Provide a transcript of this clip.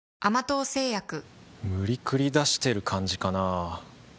無理くり出してる感じかなぁ